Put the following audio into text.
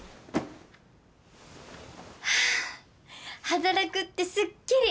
働くってすっきり！